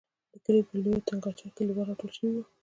د کلي پر لویه تنګاچه کلیوال را ټول شوي وو.